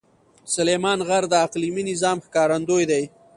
سلیمان غر د اقلیمي نظام ښکارندوی دی.